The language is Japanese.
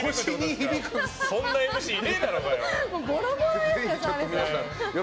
そんなＭＣいねえだろうがよ！